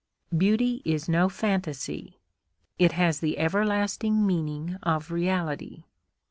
Beauty is no phantasy, it has the everlasting meaning of reality.